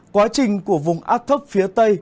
quá trình của vùng áp thấp phía tây